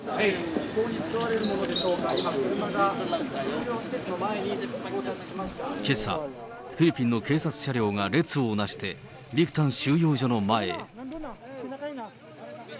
移送に使われるものでしょうか、今、けさ、フィリピンの警察車両が列をなして、ビクタン収容所の前へ。